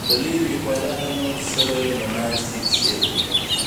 له لویو لیکوالو سره د ناستې کیسې لري.